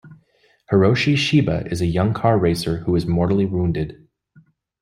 Hiroshi Shiba is a young car racer who is mortally wounded.